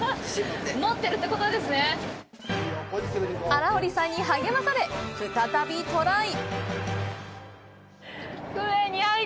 荒堀さんに励まされ再び、トライ！